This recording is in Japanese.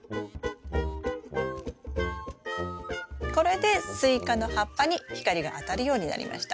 これでスイカの葉っぱに光が当たるようになりました。